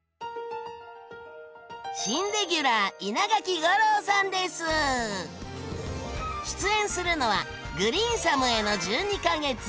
新レギュラー出演するのは「グリーンサムへの１２か月」。